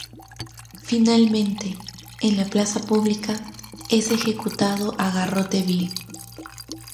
Finalmente, en la plaza pública, es ejecutado a garrote vil.